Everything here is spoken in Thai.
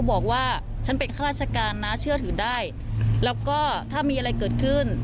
บอกว่าฉันเป็นข้าราชการนะเชื่อถือได้แล้วก็ถ้ามีอะไรเกิดขึ้น